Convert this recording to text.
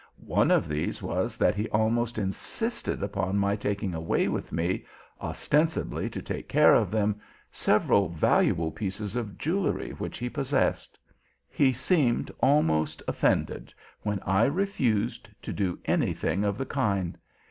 One of these was that he almost insisted upon my taking away with me, ostensibly to take care of them, several valuable pieces of jewelry which he possessed. He seemed almost offended when I refused to do anything of the kind.